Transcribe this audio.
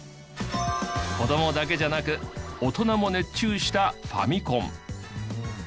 子供だけじゃなく大人も熱中したファミコン。